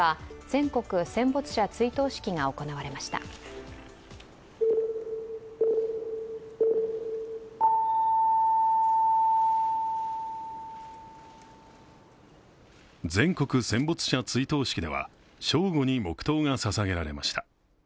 全国戦没者追悼式では、正午に黙とうが捧げられました。